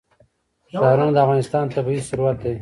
ښارونه د افغانستان طبعي ثروت دی.